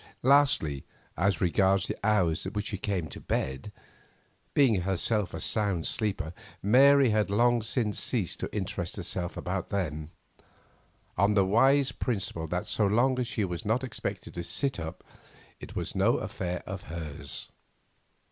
Lastly, as regards the hours at which he came to bed, being herself a sound sleeper Mary had long since ceased to interest herself about them, on the wise principle that so long as she was not expected to sit up it was no affair of hers.